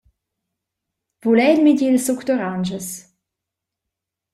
Vul era in migiel suc d’oranschas?